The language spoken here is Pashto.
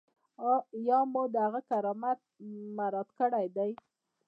یا مو د هغه کرامت مراعات کړی دی.